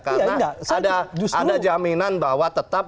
karena ada jaminan bahwa tetap